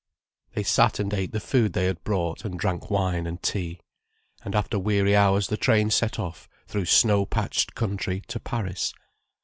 They sat and ate the food they had brought, and drank wine and tea. And after weary hours the train set off through snow patched country to Paris.